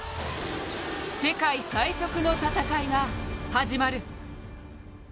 世界最速の戦いが始まる。